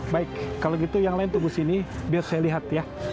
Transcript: baik kalau gitu yang lain tunggu sini biar saya lihat ya